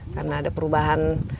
karena ada perubahan